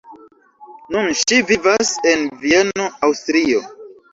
Nun ŝi vivas en Vieno, Aŭstrio.